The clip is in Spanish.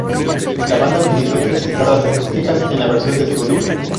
La banda utilizó tres guitarras acústicas en la versión de estudio.